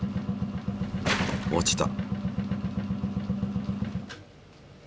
落ちた！